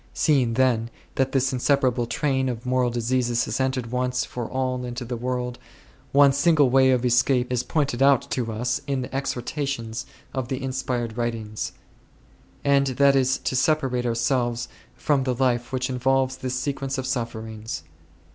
Seeing, then, that this inseparable train of moral diseases has entered once for all into the world, one single way of escape is pointed out to us in the exhortations of the inspired writings ; and that is to separate ourselves from the life which involves this sequence of sufferings.